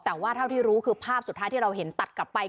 แต่ว่าที่เรารู้คือภาพสุดท้ายที่แล้วตัดกลับไป